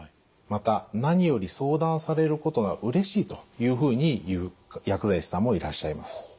また何より相談されることがうれしいというふうに言う薬剤師さんもいらっしゃいます。